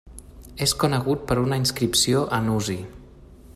És conegut per una inscripció a Nuzi.